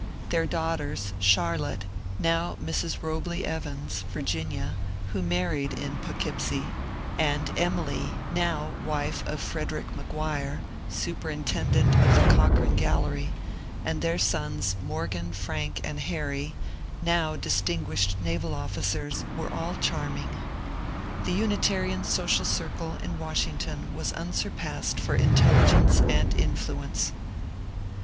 Their daughters, Char lotte, now Mrs. Robley Evans, Virginia, who married in Poughkeepsie, and Emily, now wife of Frederick McGuire, superintendent of the Corcoran Gallery, and their sons, Morgan, Frank, and Harry, now distinguished naval officers, were all charming. The Unitarian social circle in Wash ington was unsurpassed for intelligence and influence.